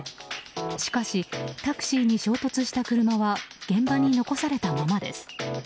しかし、タクシーに衝突した車は現場に残されたままです。